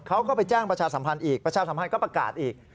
เขาก็ไปแจ้งประชาสัมพันธ์อีกประชาสัมพันธ์ก็ประกาศอีก